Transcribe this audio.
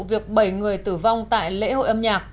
việc bảy người tử vong tại lễ hội âm nhạc